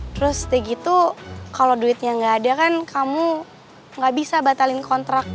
terus udah gitu kalau duitnya nggak ada kan kamu gak bisa batalin kontrak